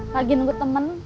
lagi nunggu temen